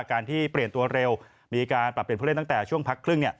การที่เปลี่ยนตัวเร็วมีการปรับเปลี่ยนผู้เล่นตั้งแต่ช่วงพักครึ่ง